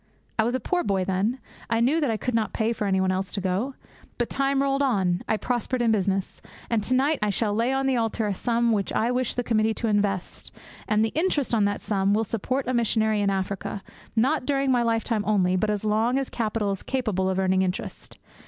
I was a poor boy then; I knew that I could not pay for anybody else to go. But time rolled on. I prospered in business. And to night I shall lay on the altar a sum which I wish the committee to invest, and the interest on that sum will support a missionary in Africa, not during my lifetime only, but as long as capital is capable of earning interest.